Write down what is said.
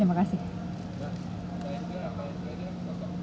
pertanyaan terakhir apa yang paling mudah